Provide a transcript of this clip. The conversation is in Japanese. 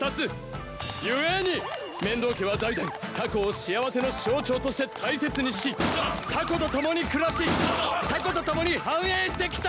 故に面堂家は代々タコを幸せの象徴として大切にしタコと共に暮らしタコと共に繁栄してきたのだ！